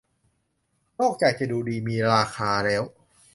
นอกจากจะดูดีมีราคาแล้ว